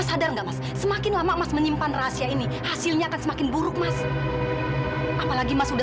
sampai jumpa di video selanjutnya